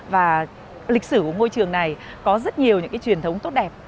và lịch sử của ngôi trường này có rất nhiều những cái truyền thống tốt đẹp